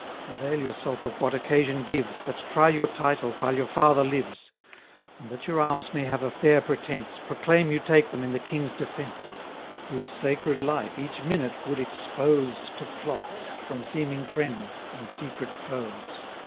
460 Avail yourself of what occasion gives, But try your title while your father lives: And that your arms may have a fair pretence, Proclaim you take them in the king's defence; Whose sacred life each minute would expose To plots, from seeming friends, and secret foes.